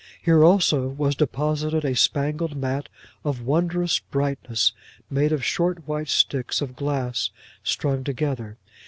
Here also was deposited a spangled mat of wondrous brightness, made of short white sticks of glass strung together.